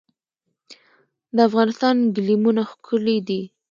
د افغانستان ګلیمونه ښکلي دي